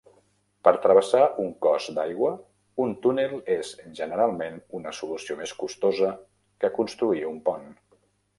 Per travessar un cos d'aigua, un túnel és generalment una solució més costosa que construir un pont.